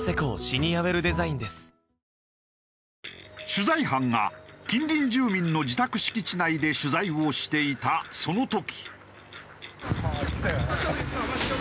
取材班が近隣住民の自宅敷地内で取材をしていたその時。